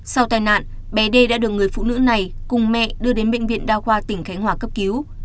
sau tai nạn bé đã được người phụ nữ này cùng mẹ đưa đến bệnh viện đa khoa tỉnh khánh hòa cấp cứu